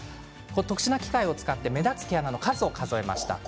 特殊な機械を使って目立つ毛穴の数を数えました。